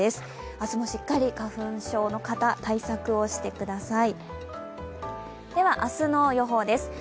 明日もしっかり花粉症の方対策をしてください。